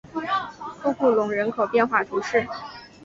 库库龙人口变化图示